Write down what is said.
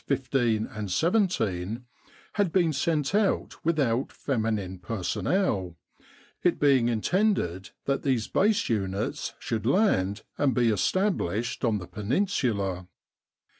15 and 17, had been sent out without feminine personnel, it being intended that these base units should land and be established on the Penin sula.